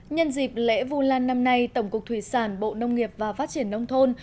nhân dịp lễ vu lan năm nay tổng cục thủy sản bộ nông nghiệp và phát triển nông thôn